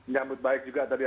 nyambut baik juga tadi